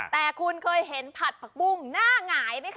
แต่คุณเคยเห็นผัดผักปุ้งหน้าหงายไหมค